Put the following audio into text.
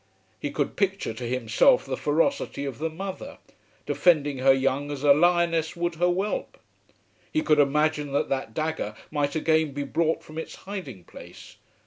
He could picture to himself the ferocity of the mother, defending her young as a lioness would her whelp. He could imagine that that dagger might again be brought from its hiding place.